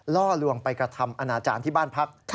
ล่อลวงไปกระทำอนาจารย์ที่บ้านพัก